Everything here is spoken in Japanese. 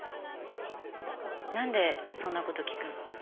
なんでそんな事聞くの？